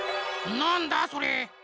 なんだそれ？